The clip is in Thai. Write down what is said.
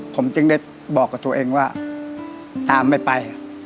ผมจึงได้บอกกับตัวเองว่าตามไม่ไป